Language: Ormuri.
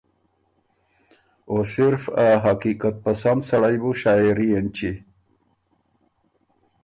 او صرف ا حقیقت پسند سړئ بُو شاعېري اېنچی